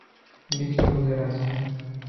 Ndicho lugha rasmi.